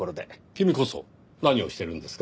君こそ何をしてるんですか？